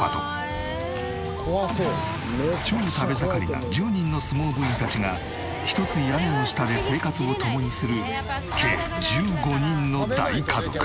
超食べ盛りな１０人の相撲部員たちが一つ屋根の下で生活を共にする計１５人の大家族。